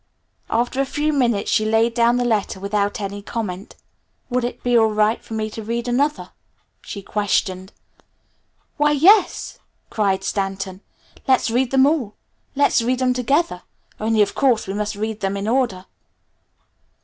After a few minutes she laid down the letter without any comment. "Would it be all right for me to read another?" she questioned. "Why, yes," cried Stanton. "Let's read them all. Let's read them together. Only, of course, we must read them in order."